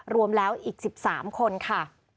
รวมแล้วอีก๑๓คนค่ะ